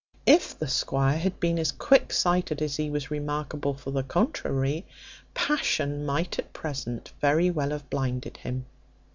If the squire had been as quicksighted as he was remarkable for the contrary, passion might at present very well have blinded him.